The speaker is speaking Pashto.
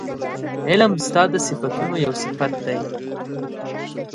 علم ستا د صفتونو یو صفت دی